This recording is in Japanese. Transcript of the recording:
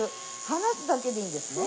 離すだけでいいんですね。